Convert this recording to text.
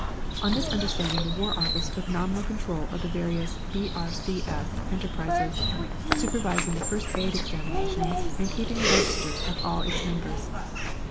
On this understanding the War Office took nominal control of the various B.R.C.S. enterprises, supervising the First Aid examinations and keeping a register of all its members.